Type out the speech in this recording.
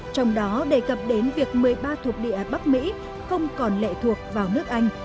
trong đó đề cập đến việc một mươi ba thuộc địa bắc mỹ không còn lệ thuộc vào nước anh